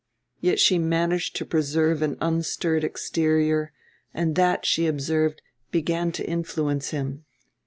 Yet she managed to preserve an unstirred exterior; and that, she observed, began to influence him.